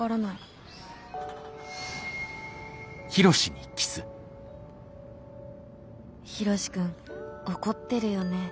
心の声ヒロシ君怒ってるよね。